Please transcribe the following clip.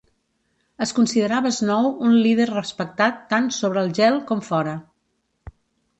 Es considerava Snow un líder respectat tant sobre el gel com fora.